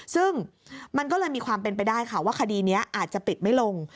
ซึ่งมันก็เลยมีความเป็นไปได้ค่ะว่าคดีนี้อาจจะปิดไม่ลง